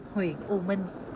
huyện u minh